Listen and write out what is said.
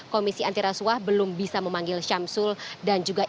komisi antirasuah belum bisa memanggil syamsul dan juga